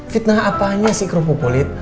fitnah apanya sih kropo polit